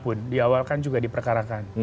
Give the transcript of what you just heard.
pertama dia di pertamina kan juga diperkarakan